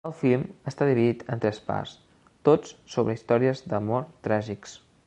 El film està dividit en tres parts, tots sobre històries d'amor tràgics.